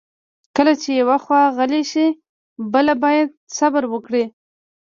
کله چې یوه خوا غلې شي، بله باید صبر وکړي.